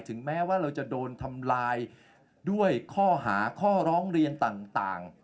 แม้ว่าเราจะโดนทำลายด้วยข้อหาข้อร้องเรียนต่าง